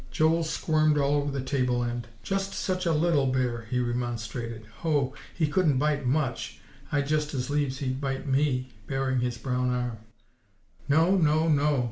Joel squirmed all over the table end. "Just such a little bear," he remonstrated. "Hoh! he couldn't bite much; I'd just as lieves he'd bite me," baring his brown arm. "No no no!"